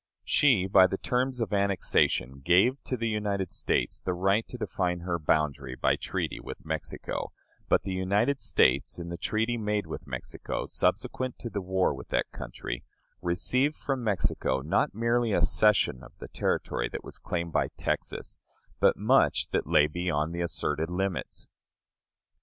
She, by the terms of annexation, gave to the United States the right to define her boundary by treaty with Mexico; but the United States, in the treaty made with Mexico subsequent to the war with that country, received from Mexico not merely a cession of the territory that was claimed by Texas, but much that lay beyond the asserted limits.